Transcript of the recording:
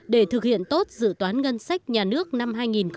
để thực hiện tốt dự toán ngân sách nhà nước năm hai nghìn một mươi tám